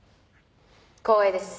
光栄です。